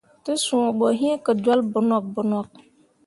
Te suu ɓo yi ke jol bonok bonok.